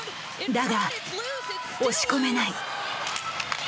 だが押し込めない。